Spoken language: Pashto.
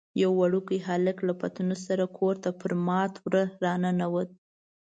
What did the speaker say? یو وړوکی هلکی له پتنوس سره کور ته پر مات وره راننوت.